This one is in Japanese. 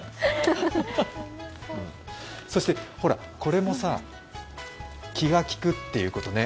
そしてほら、これもさ、気が利くってことね。